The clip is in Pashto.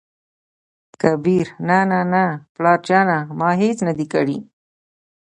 کبير : نه نه نه پلاره جانه ! ما هېڅ نه دى کړي.